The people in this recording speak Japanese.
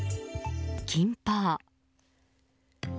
キンパー。